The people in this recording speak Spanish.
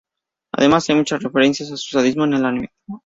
Además, hay muchas referencias a su sadismo en el anime.